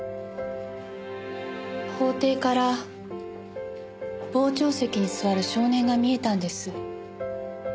法廷から傍聴席に座る少年が見えたんです。